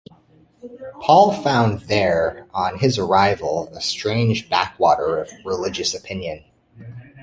Paul found there, on his arrival, a strange backwater of religious opinion.